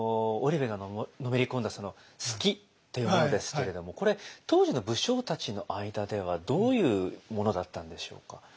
織部がのめり込んだ数寄というものですけれどもこれ当時の武将たちの間ではどういうものだったんでしょうか？